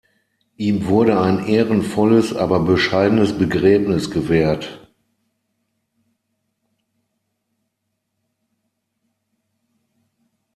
Ihm wurde ein ehrenvolles, aber bescheidenes Begräbnis gewährt.